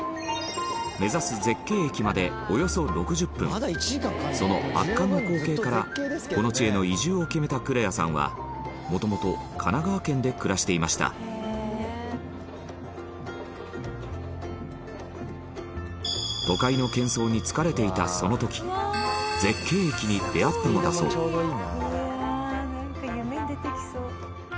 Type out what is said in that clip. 目指す絶景駅までおよそ６０分その圧巻の光景からこの地への移住を決めたクレアさんはもともと神奈川県で暮らしていました都会の喧騒に疲れていたその時絶景駅に出会ったのだそう羽田：夢に出てきそう。